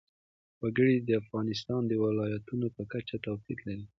وګړي د افغانستان د ولایاتو په کچه توپیر لري.